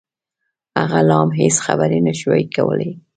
هغه لا هم هېڅ خبرې نشوای کولای